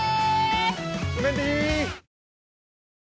うメンディー！